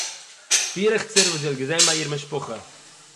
פירעכצער וואָס זי האָט געזען ביי איר משפּחה